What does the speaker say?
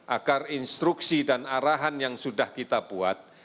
agar instruksi dan arahan yang sudah kita buat